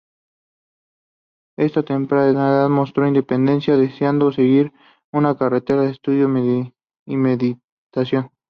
Desde temprana edad mostró su independencia, deseando seguir una carrera de estudio y meditación.